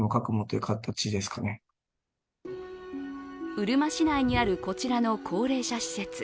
うるま市内にある、こちらの高齢者施設。